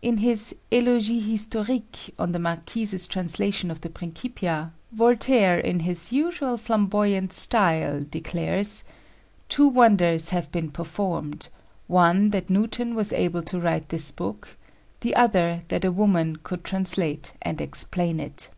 In his Élogie Historique on the Marquise's translation of the Principia, Voltaire, in his usual flamboyant style, declares "Two wonders have been performed: one that Newton was able to write this work, the other that a woman could translate and explain it."